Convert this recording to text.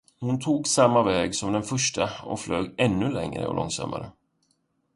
Hon tog samma väg som den första och flög ännu lägre och långsammare.